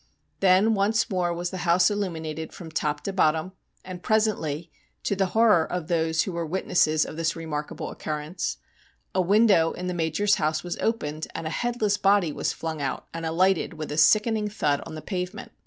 Then once more was the house illuminated from top to bottom, and presently, to the horror of those who were witnesses of this remarkable occurrence, a window in the Major's house was opened and a headless body was flung out, and alighted with a sickening thud on the pavement.